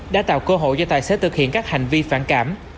đã tạo cơ hội cho tài xế thực hiện các hành vi phản cảm